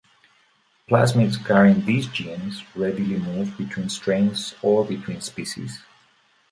Plasmids carrying these genes readily move between strains or between species.